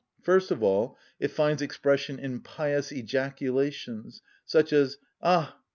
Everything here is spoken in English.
First of all it finds expression in pious ejaculations, such as, "Ah!